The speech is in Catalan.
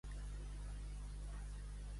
La vergonya mata Banyoles...